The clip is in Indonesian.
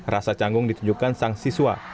rasa canggung ditunjukkan sang siswa